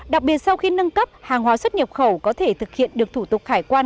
đặc biệt sau khi nâng cấp hàng hóa xuất nhập khẩu có thể thực hiện được thủ tục hải quan